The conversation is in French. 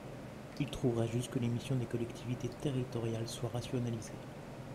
Ils trouveraient juste que les missions des collectivités territoriales soient rationalisées.